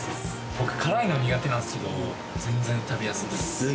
僕、辛いの苦手なんですけれども、全然食べやすいっす。